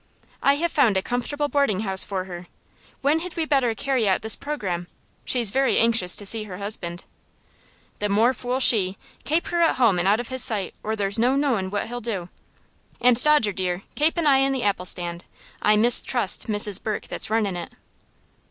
"I have found a comfortable boarding house for her. When had we better carry out this programme? She's very anxious to see her husband." "The more fool she. Kape her at home and out of his sight, or there's no knowin' what he'll do. And, Dodger, dear, kape an eye on the apple stand. I mistrust Mrs. Burke that's runnin' it."